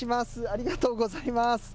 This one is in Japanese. ありがとうございます。